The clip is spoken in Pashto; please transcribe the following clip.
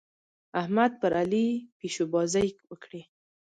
احمد پر علي پيشوبازۍ وکړې.